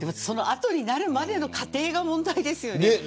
その後になるまでの過程が問題ですよね。